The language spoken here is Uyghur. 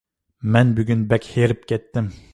مەن بۈگۈن بەك ھېرىپ كەتتىم.